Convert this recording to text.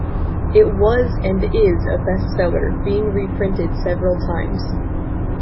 It was and is a bestseller, being reprinted several times.